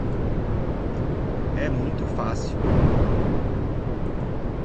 É muito fácil.